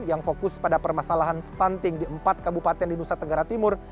yang fokus pada permasalahan stunting di empat kabupaten di nusa tenggara timur